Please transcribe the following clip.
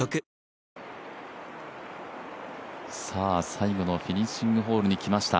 最後のフィニッシングホールに来ました。